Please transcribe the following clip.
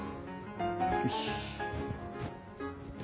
よし。